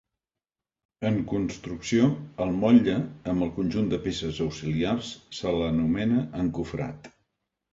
En construcció, al motlle, amb el conjunt de peces auxiliars, se l'anomena encofrat.